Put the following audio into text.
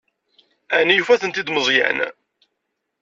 Ɛni yufa-ten-id Meẓyan?